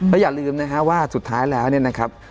อย่าลืมนะฮะว่าสุดท้ายแล้วเนี่ยนะครับ